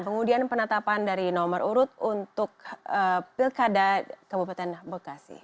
pemilihan umum di kpud kabupaten bekasi